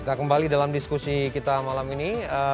nah kembali dalam diskusi kita malam ini